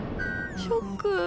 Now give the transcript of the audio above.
ショック。